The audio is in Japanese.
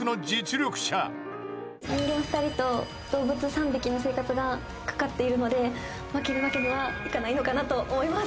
人間２人と動物３匹の生活が懸かっているので負けるわけにはいかないのかなと思います。